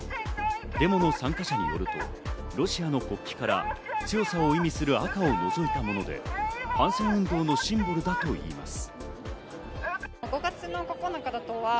デモの参加者によると、ロシアの国旗から強さを意味する赤を除いたもので、反戦運動のシンボルだといいます。